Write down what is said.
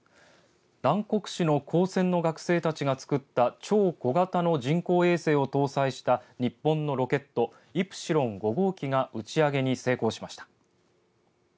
南国市の高専の学生たちが作った超小型の人工衛星を搭載した日本のロケットイプシロン５号機が打ち上げに成功しました。